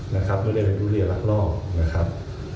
นะครับไม่ได้เพิ่งทุเรียนหลักล่องนะครับ